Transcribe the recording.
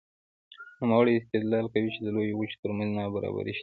نوموړی استدلال کوي چې د لویو وچو ترمنځ نابرابري شته.